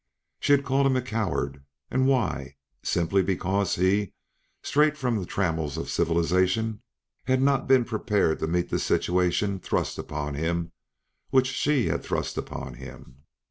She had called him a coward and why? simply because he, straight from the trammels of civilization, had not been prepared to meet the situation thrust upon him which she had thrust upon him.